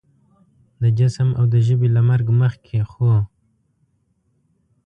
د جسم او د ژبې له مرګ مخکې خو